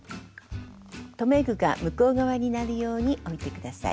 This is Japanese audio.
留め具が向こう側になるように置いて下さい。